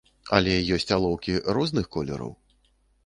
Але ёсць алоўкі розных колераў.